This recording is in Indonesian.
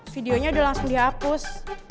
videonya udah langsung dihapus